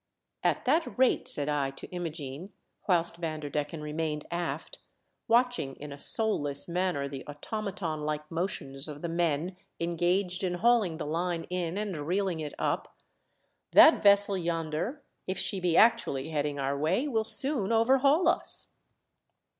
At that rate," said I to Imogene, whilst Vanderdecken remained aft, watching in a soulless manner the automaton like motions of the men engaged in hauling the line in and reeling it up, "that vessel yonder, if she be actually heading our way, will soon overhaul us."